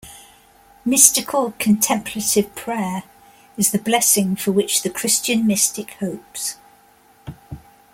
Mystical Contemplative Prayer is the blessing for which the Christian mystic hopes.